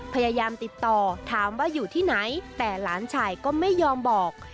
พยายามติดต่อถามว่าอยู่ที่ไหนแต่หลานชายก็ไม่ยอมบอก